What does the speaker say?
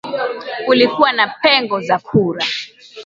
kulikuwa na pengo za kura